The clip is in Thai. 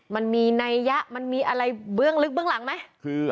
มันมีนัยยะมันมีอะไรเบื้องลึกเบื้องหลังไหม